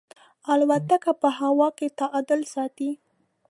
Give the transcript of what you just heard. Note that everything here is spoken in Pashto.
الوتکه په هوا کې تعادل ساتي.